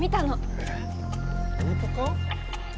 えっホントか？